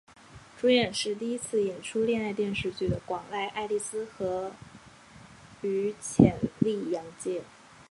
主演是第一次演出恋爱电视剧的广濑爱丽丝与浅利阳介。